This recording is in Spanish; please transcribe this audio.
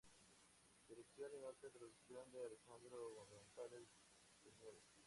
Selección y nota introductoria de Alejandro González Bermúdez.